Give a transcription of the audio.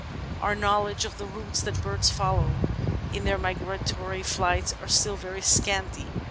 Our knowledge of the routes that birds follow in their migra tory flights is still very scanty.